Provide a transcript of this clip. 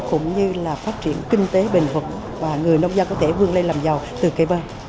cũng như là phát triển kinh tế bền phục và người nông dân có thể vương lây làm giàu từ cây bơ